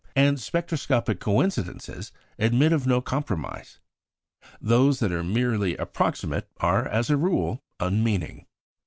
And spectroscopic coincidences admit of no compromise. Those that are merely approximate are, as a rule, unmeaning.